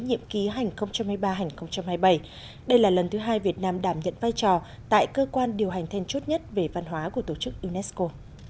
nhiệm ký hành hai mươi ba hai mươi bảy đây là lần thứ hai việt nam đảm nhận vai trò tại cơ quan điều hành thêm chút nhất về văn hóa của tổ chức unesco